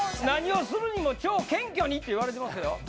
何をするにも超謙虚にって言われてますよ！